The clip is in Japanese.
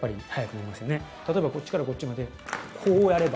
例えばこっちからこっちまでこうやれば。